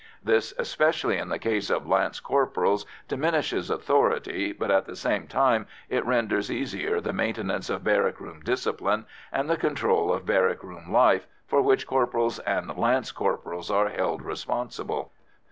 This, especially in the case of lance corporals, diminishes authority, but at the same time it renders easier the maintenance of barrack room discipline and the control of barrack room life, for which corporals and lance corporals are held responsible.